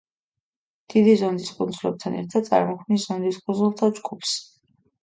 დიდი ზონდის კუნძულებთან ერთად წარმოქმნის ზონდის კუნძულთა ჯგუფს.